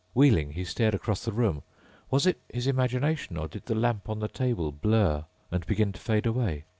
Wheeling, he stared across the room. Was it his imagination, or did the lamp on the table blur and begin to fade away?